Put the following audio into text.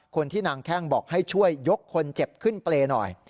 คนที่นางแข้งบอกให้ช่วยยกคนเจ็บขึ้นเปรย์หน่อย